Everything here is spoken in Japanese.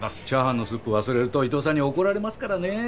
チャーハンのスープ忘れると伊藤さんに怒られますからね。